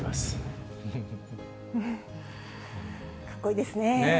かっこいいですね。